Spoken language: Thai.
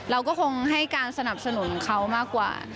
เราก็คงให้การสนับสนุนเขามากกว่า